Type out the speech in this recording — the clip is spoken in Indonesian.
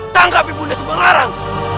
tangkap ibu unda subang arang